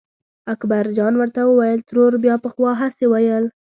اکبرجان ورته وویل ترور بیا پخوا هسې ویل.